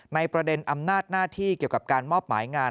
ในประเด็นอำนาจหน้าที่เกี่ยวกับการมอบหมายงาน